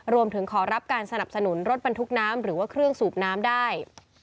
รวมถึงขอรับการสนับสนุนรถบรรทุกน้ำหรือว่าเครื่องสูบน้ำได้